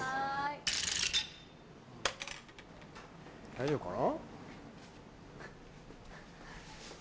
大丈夫かな。